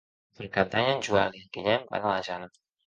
Per Cap d'Any en Joel i en Guillem van a la Jana.